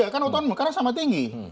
karena sama tinggi